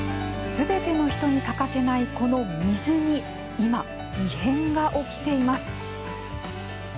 すべての人に欠かせないこの水に今、異変が起きています。